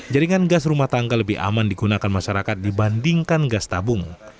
jaringan gas rumah tangga lebih aman digunakan masyarakat dibandingkan gas tabung